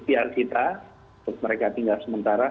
pr kita untuk mereka tinggal sementara